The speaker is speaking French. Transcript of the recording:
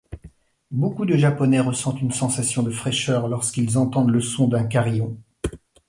Beaucoup de Japonais ressentent une sensation de fraîcheur lorsqu'ils entendent le son d'un carillon.